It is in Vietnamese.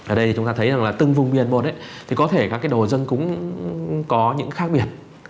ở đây chúng ta thấy rằng là từng vùng miền một ấy thì có thể các cái đồ dân cúng có những khác biệt